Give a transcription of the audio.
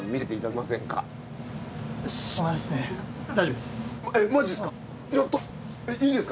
大丈夫です。